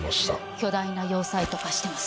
巨大な要塞と化してます。